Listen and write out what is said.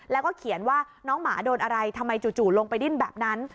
แล้วก็เขียนว่าน้องหมาโดนอะไรทำไมจู่ลงไปดิ้นแบบนั้น